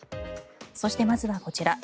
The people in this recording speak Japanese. そして、まずはこちら。